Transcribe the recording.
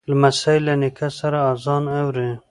لمسی له نیکه سره آذان اوري.